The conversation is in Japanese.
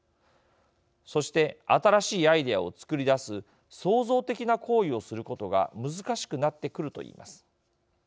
そして新しいアイデアを作り出す創造的な行為をすることが難しくなってくると言います。